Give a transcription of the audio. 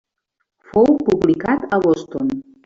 Fou publicat a Boston.